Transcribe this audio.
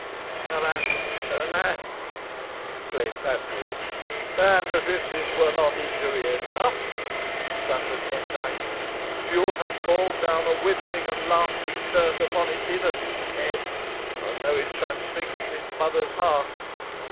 "Alas! alas!" exclaimed Paslew. "And as if this were not injury enough," thundered Demdike, "you have called down a withering and lasting curse upon its innocent head, and through it transfixed its mother's heart.